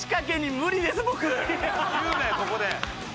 ここで。